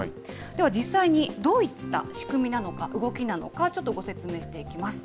では実際にどういった仕組みなのか、動きなのか、ちょっとご説明していきます。